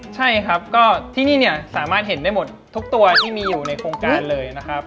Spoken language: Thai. ใช่ครับก็ที่นี่เนี่ยสามารถเห็นได้หมดทุกตัวที่มีอยู่ในโครงการเลยนะครับ